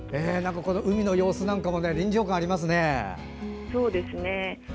海の様子なんかも臨場感がありますね。